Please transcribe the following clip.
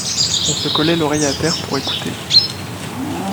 On se collait l’oreille à terre pour écouter.